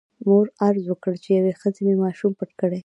مور عرض وکړ چې یوې ښځې مې ماشوم پټ کړی.